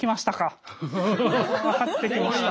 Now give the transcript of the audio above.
分かってきました。